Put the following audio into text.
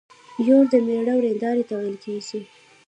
يور د مېړه ويرنداري ته ويل کيږي.